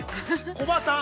コバさん？